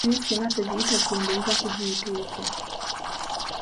Naye singa togiyita kiyemba, oyinza kugiyita otya?